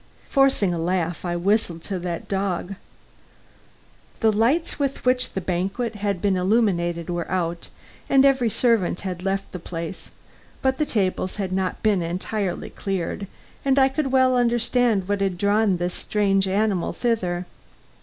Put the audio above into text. Forcing a laugh, I whistled to that dog. The lights with which the banquet had been illuminated were out, and every servant had left the place; but the tables had not been entirely cleared; and I could well understand what had drawn this strange animal thither.